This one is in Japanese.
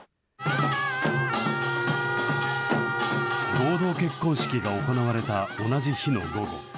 合同結婚式が行われた同じ日の午後。